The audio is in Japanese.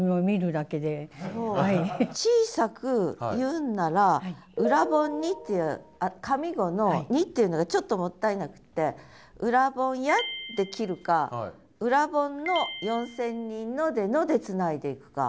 小さく言うんなら「盂蘭盆に」っていう上五の「に」っていうのがちょっともったいなくて「盂蘭盆や」って切るか「盂蘭盆の四千人の」で「の」でつないでいくか。